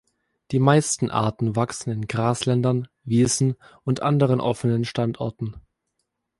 Die meisten Arten wachsen in Grasländern, Wiesen und anderen offenen Standorten.